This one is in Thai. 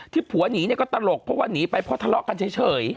ผัวหนีเนี่ยก็ตลกเพราะว่าหนีไปเพราะทะเลาะกันเฉย